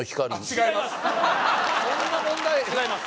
違います